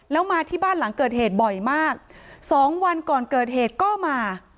แล้วมาที่บ้านหลังเกิดเหตุบ่อยมากสองวันก่อนเกิดเหตุก็มา